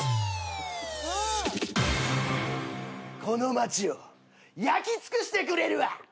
この町を焼き尽くしてくれるわ！